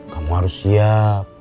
kamu harus siap